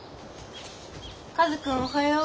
カズくんおはよう。